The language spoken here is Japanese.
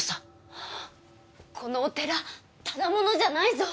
ハッこのお寺ただものじゃないぞ。